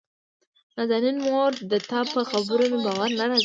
نازنين: مورې دتا په خبرو مې باور نه راځي.